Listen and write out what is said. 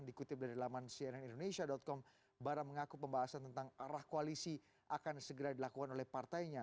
dikutip dari laman cnnindonesia com bara mengaku pembahasan tentang arah koalisi akan segera dilakukan oleh partainya